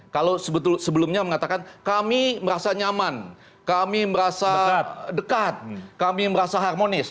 kalau sebelumnya mengatakan kami merasa nyaman kami merasa dekat kami merasa harmonis